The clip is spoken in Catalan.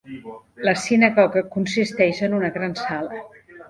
La sinagoga consisteix en una gran sala.